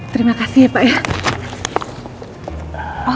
terima kasih ya pak ya